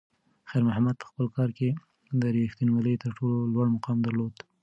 خیر محمد په خپل کار کې د رښتونولۍ تر ټولو لوړ مقام درلود.